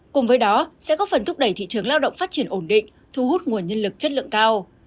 cùng với đó sẽ góp phần thúc đẩy thị trường lao động phát triển ổn định thu hút nguồn nhân lực chất lượng cao